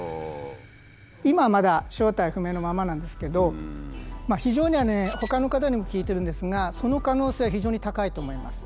今まだ正体不明のままなんですけど非常にほかの方にも聞いてるんですがその可能性は非常に高いと思います。